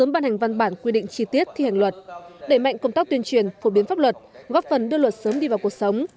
phổ biến pháp luật góp phần đưa luật sớm đi vào cuộc sống